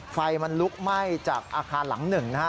ไฟมันลุกไหม้จากอาคารหลังหนึ่งนะฮะ